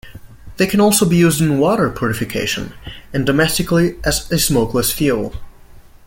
They can also be used in water purification and domestically as a smokeless fuel.